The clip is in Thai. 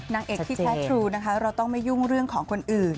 นางเอกที่แท้ทรูนะคะเราต้องไม่ยุ่งเรื่องของคนอื่น